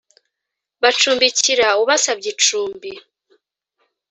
bacumbikira ubasabye icumbi